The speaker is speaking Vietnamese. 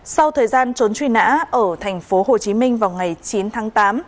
sau thời gian trốn truy nã ở thành phố hồ chí minh vào ngày chín tháng tám